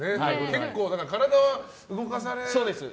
結構体は動かされるんですね。